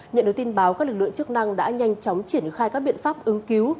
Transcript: nhận được tin báo các lực lượng chức năng đã nhanh chóng triển khai các biện pháp ứng cứu